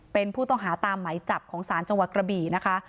เป็นผู้ต้องหาตามไหมจับของศาลจังหวัดกระบี่นะคะ